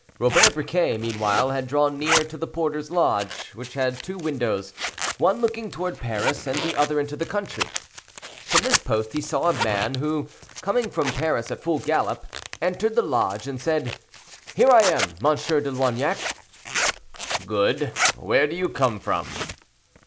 Robert Briquet, meanwhile, had drawn near to the porter's lodge, which had two windows, one looking toward Paris and the other into the country. From this post he saw a man, who, coming from Paris at full gallop, entered the lodge and said, "Here I am, M. de Loignac." "Good. Where do you come from?"